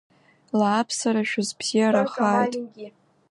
Лааԥсара шәызбзиарахааит.